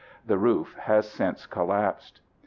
The roof has since collapsed.